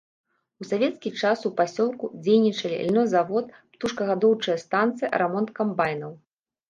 У савецкі час у пасёлку дзейнічалі льнозавод, птушкагадоўчая станцыя, рамонт камбайнаў.